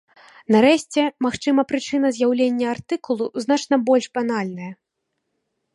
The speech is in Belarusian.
Нарэшце, магчыма, прычына з'яўлення артыкулу значна больш банальная.